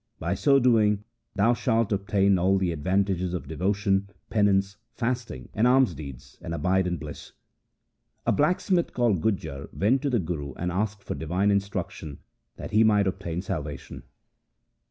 By so doing thou shalt obtain all the advantages of devotion, penance, fasting, and alms deeds, and abide in bliss. A blacksmith called Gujjar went to the Guru SIKH. II C 18 THE SIKH RELIGION and asked for divine instruction that he might obtain salvation.